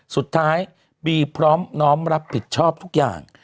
สุดท้ายบีพร้อมน้อมรับผิดชอบทุกอย่าง